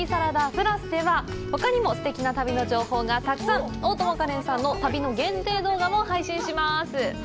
ＰＬＵＳではほかにもすてきな旅の情報がたくさん大友花恋さんの旅の限定動画も配信します